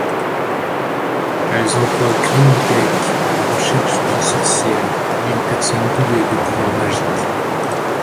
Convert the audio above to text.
Elles envoient Grimbeck à la recherche d'une sorcière, d'une personne douée de pouvoirs magiques.